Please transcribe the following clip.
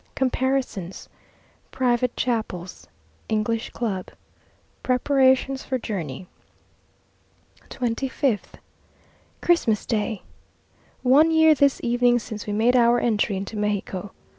Comparisons Private Chapels English Club Preparations for Journey. 25th. CHRISTMAS DAY! One year this evening since we made our entry into Mexico.